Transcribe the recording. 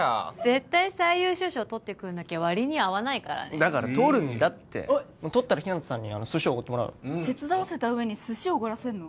絶対最優秀賞とってくんなきゃ割に合わないからねだからとるんだってとったら日向さんに寿司おごってもらおう手伝わせた上に寿司おごらせんの？